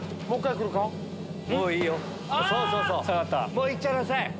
もういっちゃいなさい！